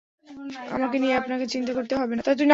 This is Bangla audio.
আমাকে নিয়ে আপনাকে চিন্তা করতে হবে না।